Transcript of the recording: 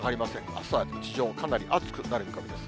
あすは地上、かなり暑くなる見込みです。